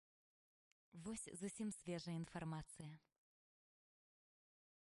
Вось зусім свежая інфармацыя.